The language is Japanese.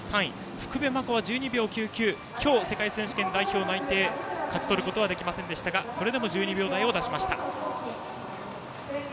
福部真子は１２秒９９で今日、世界選手権の代表内定を勝ち取ることはできませんでしたがそれでも１２秒台を出しました。